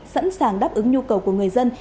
sẵn sàng đáp ứng nhu cầu của người dân